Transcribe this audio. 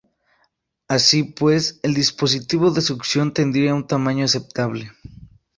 Así pues, el dispositivo de succión tendría un tamaño aceptable.